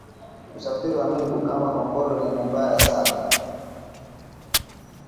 Usafiri wa meli bukama kongolo ni mubaya sana